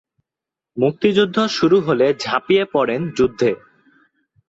মুক্তিযুদ্ধ শুরু হলে ঝাঁপিয়ে পড়েন যুদ্ধে।